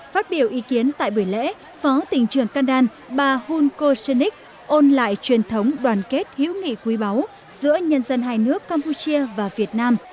phát biểu ý kiến tại buổi lễ phó tỉnh trường kandan bà hunko senik ôn lại truyền thống đoàn kết hữu nghị quý báu giữa nhân dân hai nước campuchia và việt nam